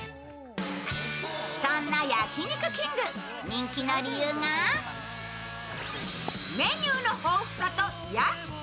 そんな焼肉きんぐ、人気の理由がメニューの豊富さと安さ。